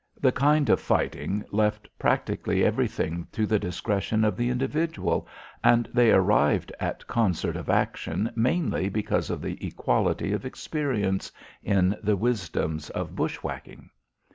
The kind of fighting left practically everything to the discretion of the individual and they arrived at concert of action mainly because of the equality of experience, in the wisdoms of bushwhacking.